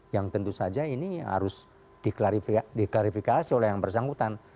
yang tentu saja ini harus diklarifikasi oleh yang bersangkutan